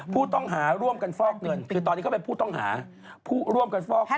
ผู้ต้องหาร่วมกันฟอกเงินคือตอนนี้เขาเป็นผู้ต้องหาผู้ร่วมกันฟอกเงิน